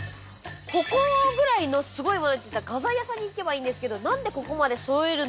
ここぐらいのすごいものっていったら画材屋さん行けばいいんですけど何でここまでそろえるのか